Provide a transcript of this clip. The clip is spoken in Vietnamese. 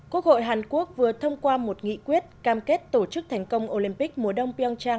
quốc hội hàn quốc vừa thông qua một nghị quyết cam kết tổ chức thành công olympic mùa đông